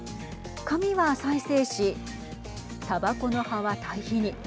紙は再生紙たばこの葉は堆肥に。